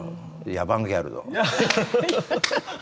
野蛮ギャルド。